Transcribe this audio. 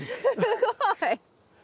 すごい。